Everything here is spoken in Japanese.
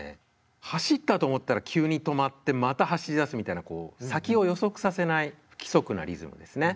走ったと思ったら急に止まってまた走りだすみたいなこう先を予測させない不規則なリズムですね。